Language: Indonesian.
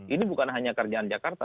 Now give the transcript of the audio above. ini bukan hanya kerjaan jakarta